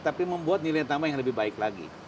tapi membuat nilai tambah yang lebih baik lagi